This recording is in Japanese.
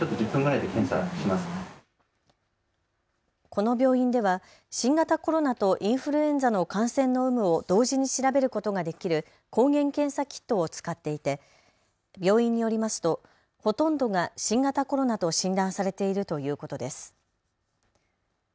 この病院では新型コロナとインフルエンザの感染の有無を同時に調べることができる抗原検査キットを使っていて病院によりますとほとんどが新型コロナと診断されているということです。